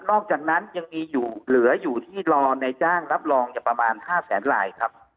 อกจากนั้นยังมีอยู่เหลืออยู่ที่รอในจ้างรับรองประมาณ๕แสนลายครับ